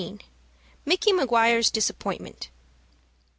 MICKY MAGUIRE'S DISAPPOINTMENT.